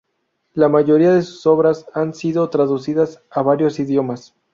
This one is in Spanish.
La mayoría de sus obras han sido traducidas a varios idiomas.